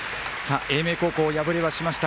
英明高校、敗れはしました。